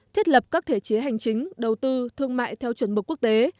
thiết lập các thể chế hành chính đầu tư thương mại theo chuẩn mực quốc tế